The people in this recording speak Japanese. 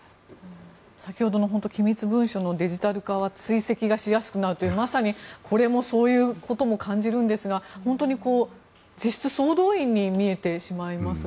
先ほどの機密文書のデジタル化は追跡がしやすくなるというまさにこれもそういうことが感じるんですが本当に実質、総動員に見えてしまいますが。